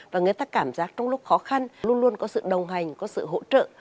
và người ta cảm giác trong lúc khó khăn luôn luôn có sự đồng hành có sự hỗ trợ